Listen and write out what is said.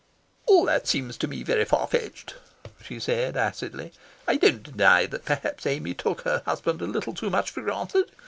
"All that seems to me very far fetched," she said acidly. "I don't deny that perhaps Amy took her husband a little too much for granted.